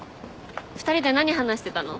２人で何話してたの？